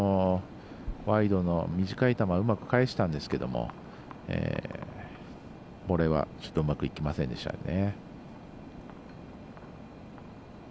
ワイドの短い球をうまく返したんですけれどもボレーは、ちょっとうまくいきませんでしたね。